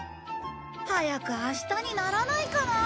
早く明日にならないかなあ。